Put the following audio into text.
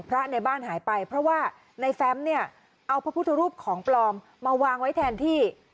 ในบ้านหายไปเพราะว่าในแฟมเนี่ยเอาพระพุทธรูปของปลอมมาวางไว้แทนที่